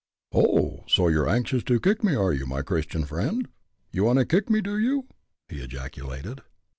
"Oh! so you're anxious to kick me, are you, my Christian friend? You want to kick me, do you?" he ejaculated.